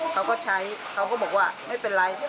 เขาก็ใช้เขาก็บอกว่าไม่เป็นไร